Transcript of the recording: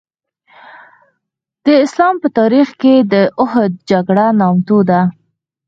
د اسلام په تاریخ کې د اوحد جګړه نامتو ده.